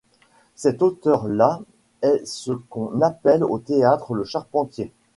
Cet auteur-là est ce qu’on appelle au théâtre le charpentier.